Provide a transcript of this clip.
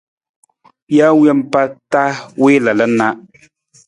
Jee wompa ta wii lalan na.